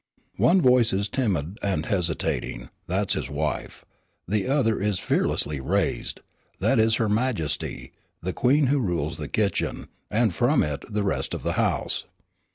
One voice is timid and hesitating; that is his wife. The other is fearlessly raised; that is her majesty, the queen who rules the kitchen, and from it the rest of the house.